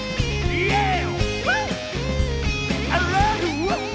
イエーイ！